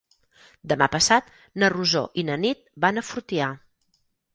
Demà passat na Rosó i na Nit van a Fortià.